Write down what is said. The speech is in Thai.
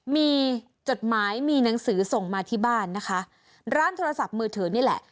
มีจดหมายมีหนังสือส่งมาที่บ้านนะคะร้านโทรศัพท์มือถือนี่แหละ